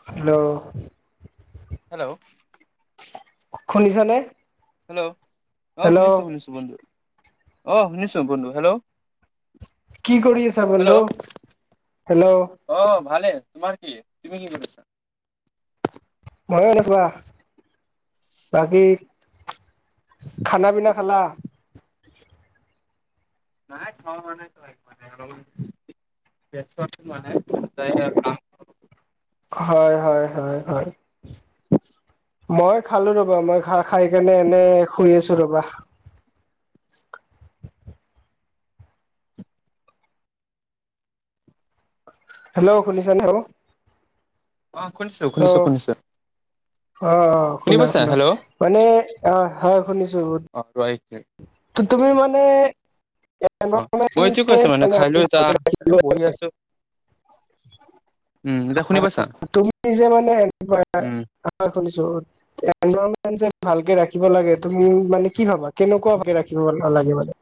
Hello! Hello! শুনিছেনে? Hello, অ', শুনিছো, শুনিছো বন্ধু, অ', শুনিছো বন্ধু, হেল্ল' কি কৰি আছা বন্ধু? Hello hello! অ', ভালে তোমাৰ কি, তুমি কি কৰি‌ছা? [unintelligible] বাকী খানা পিনা খালা? নাই থোৱা হোৱা নাই [unintelligible] মানে, ব্যস্তত মানে যায় হেৰিয়ত কাম হয়, হয়, হয়, হয়। মই খালো ৰ'বা। মই খা-খাই কেনে এনে শুই আছো ৰ'বা। হেল্ল'! শুনিছানে ঔ? অ', শুনিছো শুনিছো শুনিছো। অ', অ', শুনি শুনা পাইছা শুনা। হেল্ল' মানে অ', হয় শুনিছো। ৰাইট তু- তুমি মানে অ', এনভাইৰনমেন্ট মই এইটোৱে কৈ যে আছো মানে, খাই আমি লৈ তই ভালকে আহ। ৰাখিব এ বহি লাগে, আছো। উম এতিয়া শুনি পাইছা [unintelligible] তুমি যে মানে এনেকুৱা উম শুনিছো, [unintelligible] যে ভালকে ৰাখিব লাগে তুমি মানে কি ভাবা? কেনেকুৱা ৰাখিব নালাগে মানে।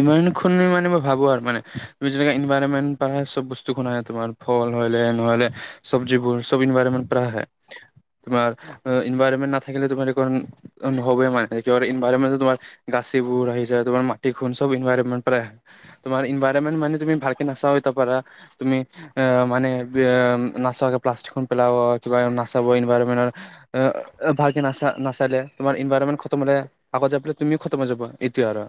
ইমান খুন মানে মই মানে ভাবো আৰু মানে, তুমি যেনেকে ইনভাইৰনমেণ্ট পাৰ চব বস্তু খুন আহে তোমাৰ ফল হয়লে নহ'লে চব্জিবোৰ চব ইনভাইৰমেণ্ট প্ৰাহে। তোমাৰ ইনভাৰমেট নাথাকিলে তোমাৰ দেখোন নহবই মানে। কিহৰ ইনভাৰমেণ্ট তোমাৰ গাচিবোৰ আহি যায় তোমাৰ তিখুন চব ইনভাৰমেণ্ট পৰা আহে। তোমাৰ ইনভাইৰমেন্ট মানে তুমি ভালকে নাচাইত পাৰা তুমি আহ মানে নাচাকে প্লাষ্টিকখন পেলাব, কিবা নাচাব ইনভাৰমেণ্ট এ ভালকে নাচা নাচালে তোমাৰ ইনভাৰনমেন্ট খতম হ'লে আগত যায় পেলে তুমিও খতম হৈ যাব এইটোৱে আৰ'।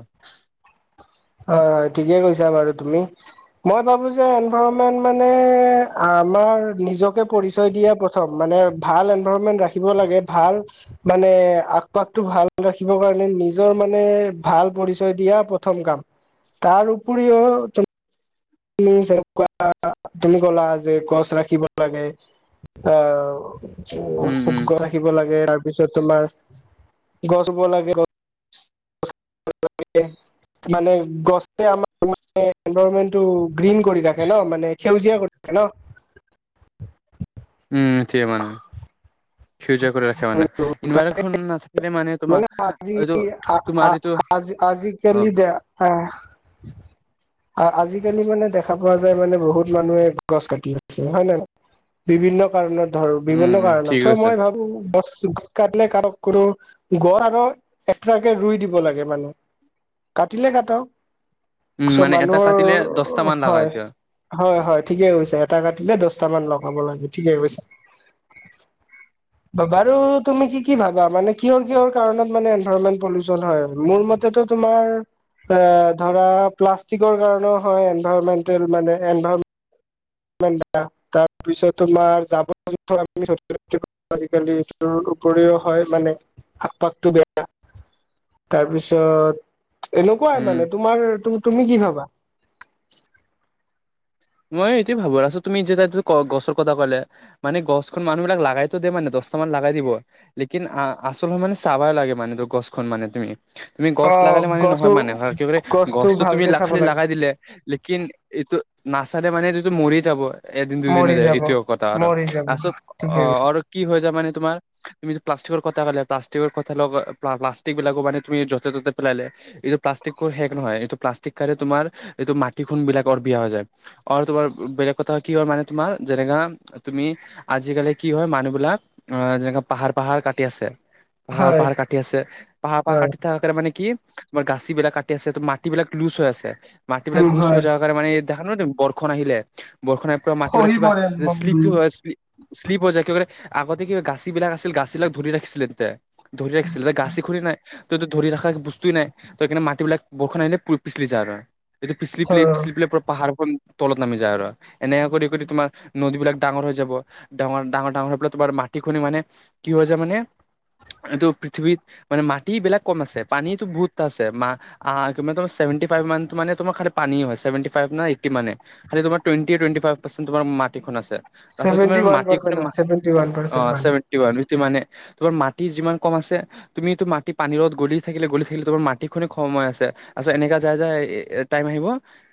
হয়, হয়। ঠিকে কৈছা বাৰু তুমি। মই ভাবো যে এনভাৰনমেন্ট মানে আমাৰ নিজকে পৰিচয় দিয়া প চব মানে ভাল এনভাৰণমেন্ট ৰাখিব লাগে, ভাল মানে আশ পাশটো ভাল ৰাখিব কাৰণে নিজৰ মানে ভাল পৰিচয় দিয়া প্ৰথম কাম। তাৰ উপৰিও তুমি যে ক'লা তুমি ক'লে যে গছ ৰাখিব লাগে। অ' উম উ উম গছ ৰাখিব লাগে তাৰ পিছত তোমাৰ গছ ৰুব লাগে। মানে গছে আমাক মানে এনভাৰমেন্টটো গ্ৰীণ কৰি ৰাখে ন, মানে সেউজীয়া কৰি ৰাখে ন'। উম, থিয়ে মানে। ফিউজাৰ কৰি ৰাখে মানে। ইনভাৰখন নাথাকিলে মানে তোমাৰ হয়তো তোমাৰ এইটো আজি-আজি অ কেলি দে আহ আ-আজিকালি মানে দেখা পোৱা যায় মানে বহুত মানুহে গছ কাটি আছে হয় নে নহয়? বিভিন্ন কাৰণত। ধৰ উম বিভিন্ন উম ঠিক কাৰণত আছে মই ভাবো গছ কাটিলে কৰক কৰো গছ আৰু- এক্সট্ৰাকৈ ৰুই দিব লাগে মানে, কাটিলে কাটক। উম, চ' মানে এটা মানুহৰ, কাটিলে দহটা মান লাগা হয়। এতিয়া হয়-হয়, ঠিকে কৈছে, এটা কাটিলে দহটামান লগাব লাগে ঠিকে কৈছে। [inaudible] বাৰু তুমি কি কি ভাবা মানে কিহৰ-কিহৰ কাৰণত মানে এনভাইৰণমেন্ট পলিউচন হয়। মোৰ মতে তো- তোমাৰ ধৰা প্লাষ্টিকৰ কাৰণেও হয়। [inaudible] তাৰ পিছত তোমাৰ [unintelligible] আজিকালিটো উপৰিও হয় মানে। [unintelligible] বেয়া, তাৰপিছত- এনেকুৱাই উম। মানে, তোমাৰ তুমি কি ভাবা? মই এইটোৱেই ভাৱো লাষ্টত তুমি যে তাই গছৰ কথা ক'লে। মানে গছখন মানুহ বিলাক লগাই দিবতো দে মানে দহটা মান লগাই দিব। লেকিন আচল হয় মানে চাবাই লাগে মানে তোৰ গছখন মানে তুমি। তুমি অ গছ লাগালে মানে নহয় গছো মানে, কি কৰে গছটো গছতটো তুমি ভালকে চাব খালি লাগে লগাই দিলে লেকিন- এইটো নাচালে মানে এইটোতো মৰি যাব। মৰি এদিন-দুদিনতে যাব এইটোয়ে কথা আৰু। মৰি যাব পাছত ঠিকে অ', কৈছে আৰু কি হৈ যায় মানে তোমাৰ- তুমি প্লাষ্টিকৰ কথা ক'লা প্লাষ্টিকৰ কথা লগ প্লাষ্টিক বিলাকো মানে তুমি য'তে-ত'তে পেলালে- এইটো প্লাষ্টিকৰ শেষ নহয় এইটো প্লাষ্টিক কাৰাৰে তোমাৰ এইটো মাটি খানি বিলাক অ' বিয়া হৈ যায়। আৰু তোমাৰ বেলেগ কথা কি হয় মানে তোমাৰ যেনেকা- তুমি আজিকালি কি হয় মানুহবিলাক অ' যেনেকা পাহাৰ-পাহাৰ কাটি আছে। হয় পাহাৰ-পাহাৰ কাটি আছে, পাহাৰ-পাহাৰ হয় কাটি থাক তাৰ মানে কি তোমাৰ গাছি বিলাক কাটি আছে মাটিবিলাক লুজ হৈ আছে, মাটি বিলাক উম লুজ হয় হৈ যোৱা কাৰণে মানে- দেখা ন' বৰুৰ্ষণ আহিলে, বৰুৰ্ষণ আহ' মাটিবিলাক খহি কিবা পৰে শ্লিপ হয়। শ্লিপ হৈ যায় একেবাৰে। কি আগতে কিবা গাছি বিলাক গাছবিলাক ধৰি ৰাখিছিলে। ধৰি ৰাখিছিল, গাচি খুলি নাই- ত'টো ধৰি ৰখা বস্তয়ে নাই, ত' সেইকাৰণে মাটি বিলাক বৰষুণ আহিলে পিচলি যাই আৰু। এইটো শ্লিপ [unintelligible] পাহাৰখন তলত নামি যায় আৰু, এনেকে কৰি-কৰি তোমাৰ নদীবলাক ডাঙৰ হৈ যাব। ডাঙৰ-ডাঙৰ হৈ পিনে তোমাৰ মাটি খিনি মানে কি হৈ যায় মানে এইটো পৃথিৱীত- মানে মাটিবিলাক কম আছে, পানীতো বহুতটা আছে। মা- আঁহ', ছেভেন্টি ফাইভ মান মানে তোমাৰ পানী হয়, ছেভেন্টি- ফাইভ না এইটী মানে, খালি তোমাৰ টুৱেন্টি-টুৱেন্টি ফাইভ পাৰ্চেন্ত মাটিখন আছে। তাৰপাছত তোমাৰ ছেভেন্টি ওৱান মাটিখনে পাৰ্চেণ্ট হয় ছেভেন্টি ওৱান পাৰ্চেণ্ট অঁ', পানী ছেভেন্টি ওৱান মানে- তোমাৰ মাটি যিমান কম আছে- তুমিতো মাটি পানীৰত গ'লি থাকিলে, গ'লি থাকিলে তোমাৰ মাটি খনি সময় আছে, তাৰপাছত ছত এনেকা যায়-যায় যে এ- টাইম আহিব।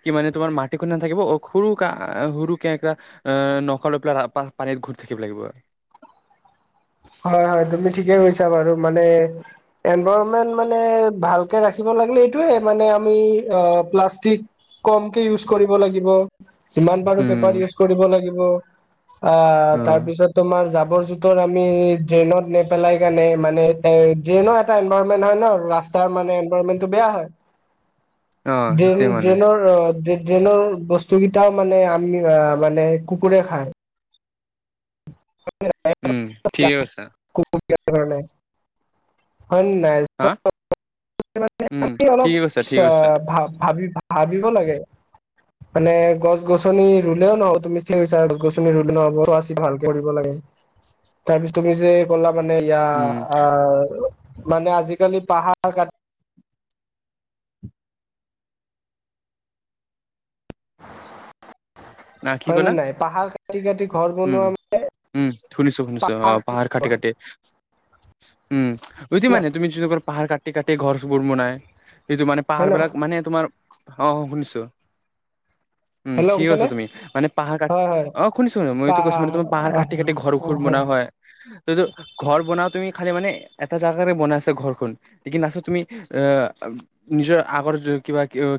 কি মানে তোমাৰ মাটিখন নাথাকিব অ' সৰুকে-সৰুকে এটা- আঁহ', ন'শ লৈ পেলাই পানীত ঘূট থাকিব লাগিব। হয়-হয় তুমি ঠিকে কৈছা বাৰু। মানে এনভাৰনমেন্ট মানে ভাল- কে ৰাখিব লাগিলে এইটোয়ে মানে আমি অ' প্লাষ্টিক কমকে ইউজ কৰিব লাগিব। যিমান পাৰো উম পেপাৰ ইউজ কৰিব লাগিব আঁহ' অ তাৰপিছত- তোমাৰ জাবৰ-জোথৰ আমি- ড্ৰেইনত নেপেলাই কাৰণে মানে এ' ড্ৰেইনৰ এটা এনভাৰমেন্ট হয় ন' ৰাস্তা- তাৰ মানে এনভাৰণমেটটো বেয়া হয়। [inaudible] ড্ৰেইন সেইটোৱে মানে ড্ৰেইনৰ ৰ', ড্ৰেন ড্ৰেনৰ বস্তু কেইটাও মানে আমি আ মানে কুকুৰে খায়। উম ঠিকে কৈছা। [unintelligible] হয় নে নাই? হা [unintelligible] উম আমি অলপ ঠিকে কৈছা চ' ঠিকে কৈছা ভা-ভাবি- ভাবিব লাগে। মানে গছ-গছনি ৰুলেও নহয় তুমি [unintelligible] গ-গছিন ৰুলে নহ'ব [unintelligible] ভাল কৰিব লাগে, তাৰপিছত তুমি যে কলা মানে ইয়া উম আহ মানে আজিকালি পাহাৰ কা [inaudible] হয় নে ক'লা নাই? পাহাৰ কাটি কাটি ঘৰ উম বনোৱা উম শুনিছো, শুনিছো অ' পাহাৰ কাটি কাটি উম, [unintelligible] পাহাৰ কাটি কাটি ঘৰ-চৰ বোৰ বনায়। [unintelligible] মানে হয় পাহাৰ ন বিলাক মানে তোমাৰ অ' শুনিছোঁ। উম', হেল্ল' ঠিকে কৈছা শুনিছানে তুমি মানে পাহাৰ কাটি হয় হয় অ' শুনিছোঁ মই এইটো কৈছোঁ, মানে পাহাৰ তোমাৰ পাহাৰ কাটি কাটি ঘৰবোৰ বনোৱা হয়। [unintelligible] ঘৰ বনাও তুমি খালি মানে এটা জাগাতে বনাই আছে ঘৰখন। [unintelligible] নিজৰ আগৰ [unintelligible]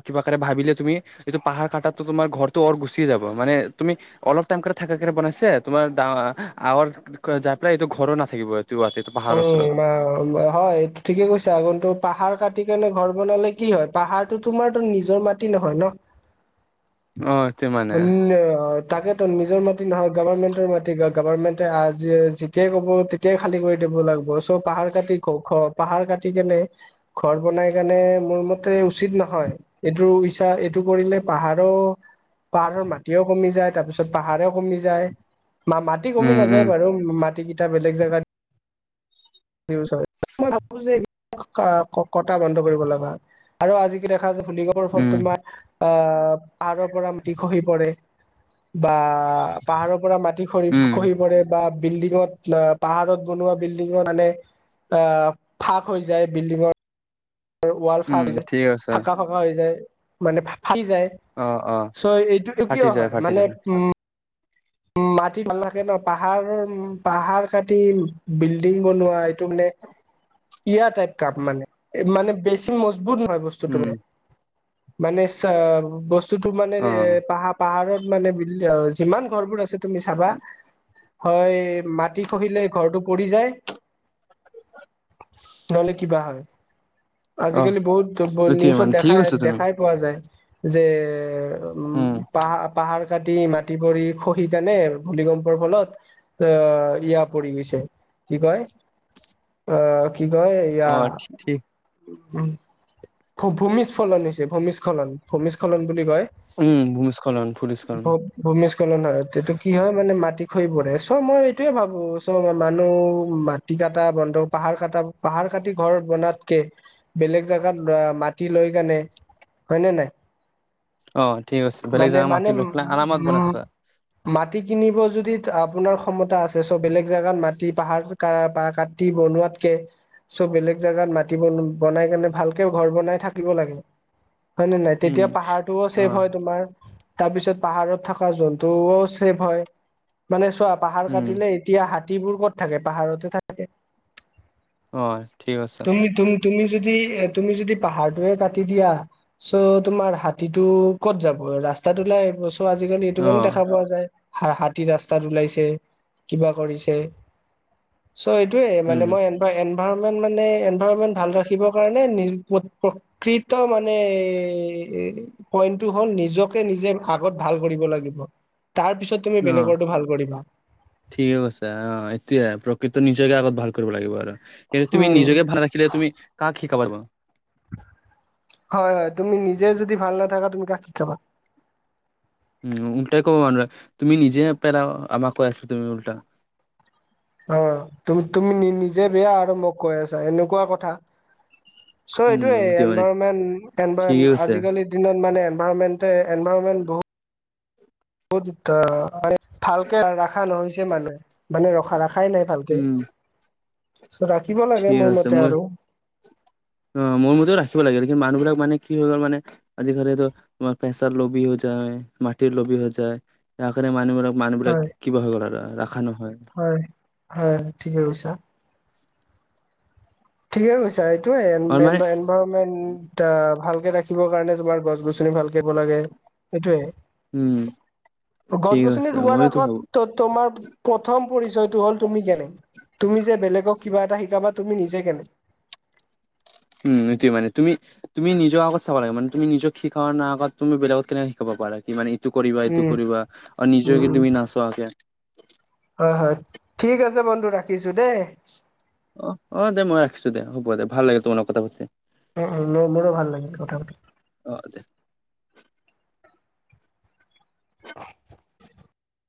িকবা কাৰে ভাবিলে তুমি এইটো পাহাৰ কাটাত টো তোমাৰ ঘৰ-তৰ গুচি যাব মানে তুমি অলপ টাইম ঘৰত থাকাকে বনাইছে, তোমাৰ [unintelligible] এইটো ঘৰো নাথাকিব [unintelligible] ওচৰত [unintelligible] ঠিকে কৈছা। [unintelligible] পাহাৰ কাটি কেনে ঘৰ বনালে কি হয়, পাহাৰটো তোমাৰতো নিজৰ মাটি নহয় ন? অ', [unintelligible] [unintelligible] তাকে তো নিজৰ মাটি নহয় গভাৰমেন্টৰ মাটি গ গভাৰৰ্মেন্টে আজি যেতিয়াই ক'ব তেতিয়াই খালী কৰি দিব লাগবো, চ' পাহাৰ কাটি ঘ-ঘ পাহাৰ কাটি কেনে ঘৰ বনাই কাৰণে মোৰ মতে উচিত নহয়। এইটো ইচ্ছা এইটো কৰিলে পাহাৰো পাহাৰৰ মাটিও কমি যায়, তাৰ পিছত পাহাৰেও কমি যায়। মা মাটি উম, কমি উম, নাযায় বাৰু মাটি কেইটা বেলেগ জাগাত [unintelligible] মই ভাবোঁ যে খ-খ', ক-কটা বন্ধ কৰিব লগা আৰু আজি কি দেখা যায় ভুনিকপৰ ফলত উম, তোমাৰ আহ' পাহাৰৰ পৰা মাটি খহি পৰে। বা পাহাৰৰ পৰা মাটি খৰি উম, খহি পৰে। বা বিল্ডিঙত বা পাহাৰত বনোৱা বিল্ডিঙত মানে আ ফাক হৈ যায় বিল্ডিঙৰ আৰু ৱাল উম, ফাক হৈ যায় ঠিক আছে। ফাকা ফাকা হৈ যায় মানে ফা ফাটি যায়। অ', অ', চ' এইটো নো ফাটি কিয় যায়, হয় ফাটি মানে যায়। উম উম মাটি ভাল থাকে ন পাহাৰৰ উম পাহাৰ কাটি বিল্ডিং বনোৱা এইটো মানে ইয়া টাইপ কাপ মানে, এই মানে বেছি মজবুত হয় বস্তুটো উম, মানে। মানে চা আৰু বস্তুটো মানে এ অ', পাহা- পাহাৰত মানে বিল অ' যিমান ঘৰবোৰ আছে তুমি চাবা, হয়। এ, মাটি খহিলে ঘৰটো পৰি যায়। [unintelligible] নহ'লে কিবা হয়, অ', আজিকালি বহুত বহুত এইটোৱে নিউজত মানে ঠিক দেখাই কৈছা তুমি। দেখাই পোৱা যায় যে উম' পাহা পাহাৰ কাটি মাটি খতি পৰি খহি কেনে ভূলিকম্পৰ ফলত। অ ইয়া পৰি গৈছে। কি কয়? অ কি কয় এইয়া, অ', ঠিক উম ভূমিস্খলন হৈছে ভূমিস্খলন ভূমিস্খলন বুলি কয়। উম' ভূমিস্খলন ভ ভূমিস্খলন। ভূমিস্খলন হয় তেটো কি হয় মানে মাটি খহিপৰে চ' মই এইটোয়ে ভাবো চ মই মানুহ, টিকা এটা বন্ধক। পাহাৰ কাটা পাহাৰ কাটি ঘৰ বনোৱাতকৈ বেলেগ জেগাত মাটি লৈ কেনে, হয় নে নাই অ', ঠিক আছে, বেলেগ মানে জেগা মানে মাটি লৈ পেলাই আৰামত বনাই উম থাকা। মাটি কিনিব যদি আপোনাৰ ক্ষমতা আছে চ' বেলেগ জাগাত মাটি পাহাৰ, কা পা কাটি বনোৱাত। কে চব বেলেগ জাগাত মাতি বনাই কেনে বনাই থাকিব লাগে। হয় নে নাই উম, তেতিয়া পাহাৰটোও ছেভ অ', হয় তোমাৰ। তাৰপিছত পাহাৰত থকা জন্তুও ছেভ হয় মানে চোৱা পাহাৰ উম, কাটিলেই, এতিয়া হাতীবোৰ ক'ত থাকে পাহাৰতে থাকে। অ' ঠিক আছে। তুমি তুমি যদি এ তুমি যদি পাহাৰটোয়ে কাটি দিয়া। চ' তোমাৰ হাতীটো ক'ত যাব ৰাস্তাত ওলাই আহিব। ত আজিকালি এইটো কাৰণে অ', দেখা পোৱা যায় হ হাতী ৰাস্তাত ওলাইছে কিবা কৰিছে। চ' এইটোয়ে মানেই উম, মই এনভৰমেন্ট মানে এনভাৰমেন্ট ভাল ৰাখিবৰ কাৰণে, মানে নি প্ৰ প্ৰকৃত মানে, পইন্টো হল নিজকে নিজে আগত ভাল কৰিব লাগিব তাৰপিছত, তুমি অ', বেলেগৰতো ভাল কৰিবা। ঠিকে কৈছে অ এতিয়া প্ৰকৃত নিজকে আগত ভাল কৰিব লাগিব আৰু, কিন্তু তুমি উম নিজকে ভাল নাৰাখিলে তুমি কাক শিকাব পাৰিব। হয় তুমি যদি ভাল নাথাকা তুমি কাক শিকাবা। উম উলটাই ক'ব মানা তুমি নিজে ন পেলাও আমাক কৈ আছা তুমি উল্টা। অ তুমি নিজে বেয়া আৰু মোক কৈ আছা এনেকুৱা কথা। চ' উম, এইটোয়ে এতিয়া মানে এনভাইৰমেন্ট এনভ ঠিক আছে আজিকালি, দিনত মানে এনভাইৰনমেণ্ট এনভাইৰনমেণ্ট বহুত। বহুত অ মানে ভালকে ৰখা নহৈছে মানুহে মানে ৰখা ৰাখা। খাই নাই ভালকে উম চ ৰাখিব লাগে ঠিক মোৰ আছে মতে মই আৰু, অ মোৰ মতেও ৰাখিব লাগে কিন্তু মানুহ বিলাক মানে কি হৈ গ'ল মানে। আজিকালিতো তোমাৰ পেচাৰ লবি হৈ যায় মাটিৰ লবি হৈ যায়। সেইকাৰণে মানুহ হয় মানুহবিলাক কিবা হৈ গল ৰাখা নহয়। হয় হয় ঠিকে কৈছা। ঠিকে কৈছা এইটোয়ে এন আৰু ভেন, মানে এনভৰমেন্ট আহ ভালকে ৰাখিবৰ কাৰণে তোমাৰ গছ গছনি ভাল কৰিব লাগে সেইটোয়ে। উম গছ ঠিক আছে গছনি ৰুৱাৰ মইতো আগত, ভাবো ত তোমাৰ প্ৰথম পৰিচয়টো হ'ল তুমি কেনে। তুমি যে বেলেগক কিবা এটা শিকাবা তুমি নিজে কেনে। উম এটোয় মানে তুমি, তুমি নিজৰ আগত চাব লাগে মানে তুমি নিজক শিকা ন আগত তুমি বেলেগ কেনেকে শিকাব পাৰা কি মানে, এইটো কৰিবা এইটো উম, কৰিবা আৰু উম, নিজকে উম, তুমি নাছাৱা কে। হয় হয় ঠিক আছে বন্ধু ৰাখিছো দেই। অ অ দে মই ৰাখিছো দে হ'ব দে ভাল লাগিল তোমোক কথা পাতি। অ অ মোৰো ভাল লাগিল কথা পাতি। অ যে, [inaudible]